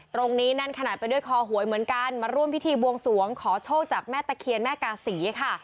แน่นขนาดไปด้วยคอหวยเหมือนกันมาร่วมพิธีบวงสวงขอโชคจากแม่ตะเคียนแม่กาศีค่ะ